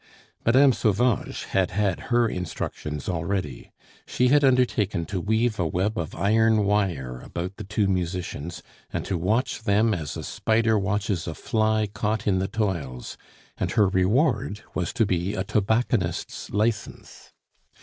Mme. Sauvage had had her instructions already. She had undertaken to weave a web of iron wire about the two musicians, and to watch them as a spider watches a fly caught in the toils; and her reward was to be a tobacconist's license.